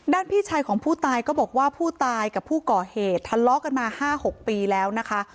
พี่ชายของผู้ตายก็บอกว่าผู้ตายกับผู้ก่อเหตุทะเลาะกันมา๕๖ปีแล้วนะคะ